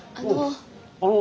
あの。